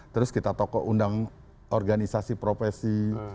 terus kita toko undang organisasi profesi